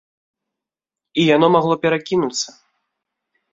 І яно магло перакінуцца.